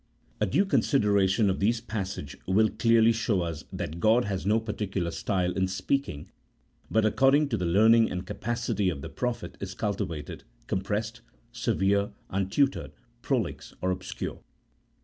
A due consideration of these passage will clearly show us that God has no particular style in speaking, but, accord ing to the learning and capacity of the prophet, is cultivated, compressed, severe, untutored, prolix, or obscure.